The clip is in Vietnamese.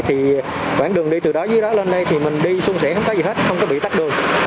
thì quãng đường đi từ đó dưới đó lên đây thì mình đi xuống sẽ không có gì hết không có bị tắt đường